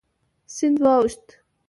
سیند واوښت.